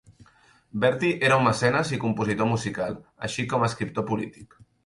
Bertie era un mecenes i compositor musical, així com escriptor polític.